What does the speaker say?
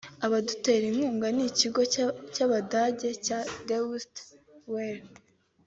Abadutera inkunga ni ikigo cy’Abadage cya Deutsche Welle